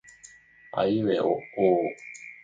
あいうえおおお